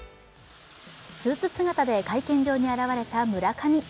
スーツ姿で会見場に現れた村上。